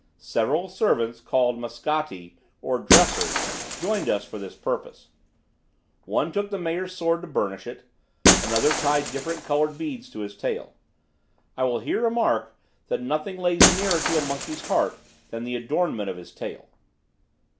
Several servants, called maskatti, or dressers, joined us for this purpose. One took the mayor's sword to burnish it; another tied different colored bands to his tail. I will here remark, that nothing lays nearer to a monkey's heart than the adornment of his tail.